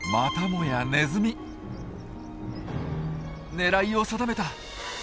狙いを定めた！